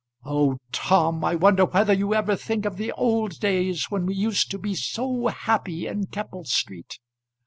Oh, Tom, I wonder whether you ever think of the old days when we used to be so happy in Keppel Street!